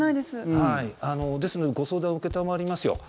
ですのでご相談を承りますよ。